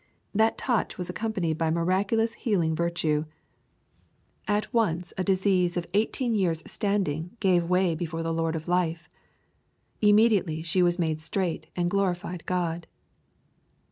That touch was accompanied by miraculous heal ing virtue. At once a disease of eighteen years* standing LUKE, CBAP. XIII. 121 gave way before the Lord of Life. " Immediately she was made straight and glorified God."